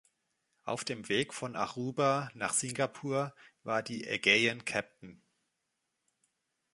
Auf dem Weg von Aruba nach Singapur war die Aegean Captain.